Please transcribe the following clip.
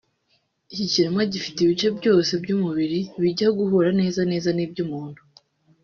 Iki kiremwa gifite ibice byose by’umubiri bijya guhura neza neza n’iby’umuntu